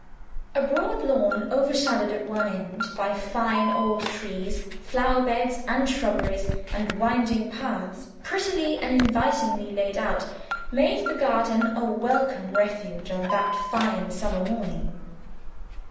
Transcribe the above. A broad lawn, overshadowed at one end by fine old trees flower beds and shrubberies, and winding paths prettily and invitingly laid out made the garden a welcome refuge on that fine summer morning.